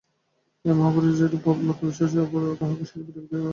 এই মহাপুরুষগণ যেরূপ প্রবল আত্মবিশ্বাসসম্পন্ন, অপর কাহাকেও সেরূপ দেখিতে পাওয়া যায় না।